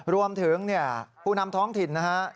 รวมถึงผู้นำท้องถิ่นนะฮะ